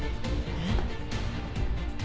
えっ？